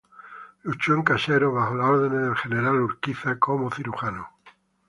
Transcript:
Luchó en Caseros bajo las órdenes del General Urquiza, como cirujano.